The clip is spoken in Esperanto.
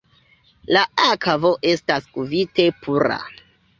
La akvo estas kvite pura.